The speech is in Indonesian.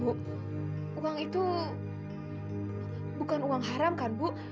bu uang itu bukan uang haram kan bu